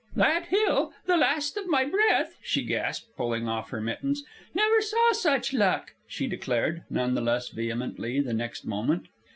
"That hill! The last of my breath!" she gasped, pulling off her mittens. "Never saw such luck!" she declared none the less vehemently the next moment.